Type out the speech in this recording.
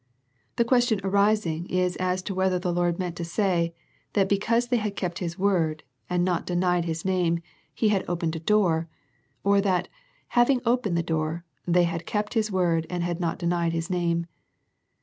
The question arising is as to whether the Lord meant to say, that be cause they had kept His word, and not denied 1 66 A First Century Message His name, He had opened a door; or that, having opened the door, they had kept His word and had not denied His name.